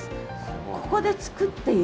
ここで作っている？